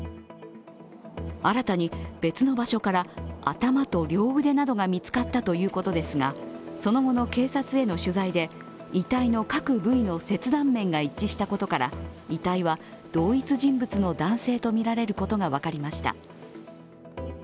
新たに別の場所から頭と両腕などが見つかったということですが、その後の警察への取材で、遺体の各部位の切断面が一致したことから遺体は同一人物の男性とみられることが分かりました。